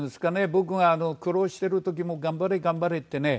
僕が苦労してる時も頑張れ頑張れってね